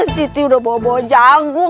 siti udah bawa bawa jagung